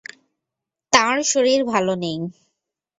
তাঁর শরীর ভালো নেই।